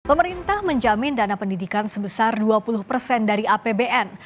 pemerintah menjamin dana pendidikan sebesar dua puluh persen dari apbn